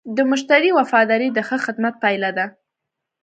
د مشتری وفاداري د ښه خدمت پایله ده.